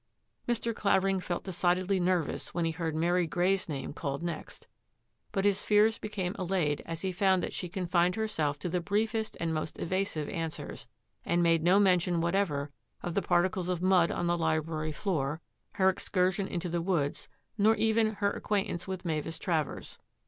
Mr. Clavering felt decidedly nervous when he heard Mary Grey's name called next, but his fears became allayed as he found that she confined her self to the briefest and most evasive answers, and made no mention whatever of the particles of mud on the library floor, her excursion into the woods, nor even her acquaintance with Mavis Travers.